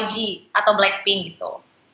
yg atau blackpink gitu